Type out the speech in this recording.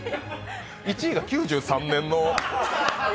１位が９３年。